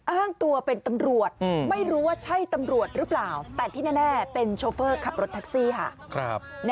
อ้างตัวเป็นตำรวจไม่รู้ว่าใช่ตำรวจหรือเปล่าแต่ที่แน่เป็นโชเฟอร์ขับรถแท็กซี่ค่ะ